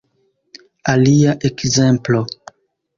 Alia ekzemplo